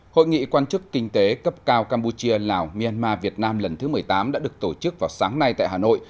hội nghị quan chức kinh tế cấp cao campuchia lào myanmar việt nam lần thứ một mươi tám đã được tổ chức vào sáng nay tại hà nội